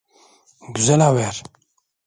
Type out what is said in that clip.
Güzel haber.